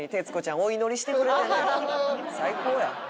最高や。